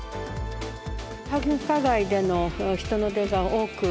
繁華街での人の出が多く特に若い方。